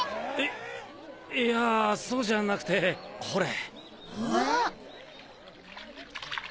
いやそうじゃなくてほれ。